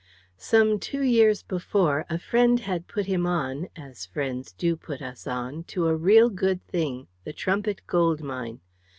Some two years before a friend had put him on as friends do put us on to a real good thing the Trumpit Gold Mine.